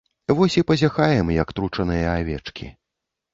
Вось і пазяхаем, як тручаныя авечкі.